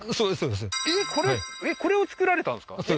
これこれを造られたんですか？